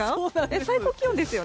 最高気温ですよね。